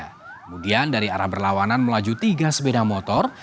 kemudian dari arah berlawanan melaju tiga sepeda motor